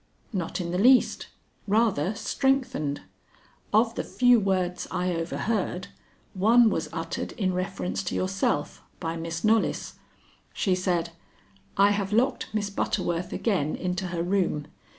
"Not in the least rather strengthened. Of the few words I overheard, one was uttered in reference to yourself by Miss Knollys. She said: 'I have locked Miss Butterworth again into her room.